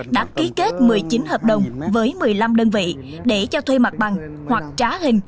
đã ký kết một mươi chín hợp đồng với một mươi năm đơn vị để cho thuê mặt bằng hoặc trá hình